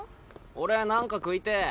俺何か食いてえ。